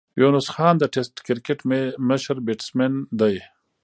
یونس خان د ټېسټ کرکټ مشر بېټسمېن دئ.